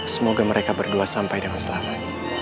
semoga mereka berdua sampai dengan selamat